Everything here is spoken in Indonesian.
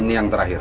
ini yang terakhir